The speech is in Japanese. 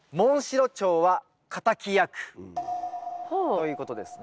ということですね。